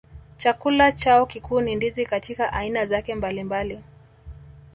Chakula chao kikuu ni ndizi katika aina zake mbalimbali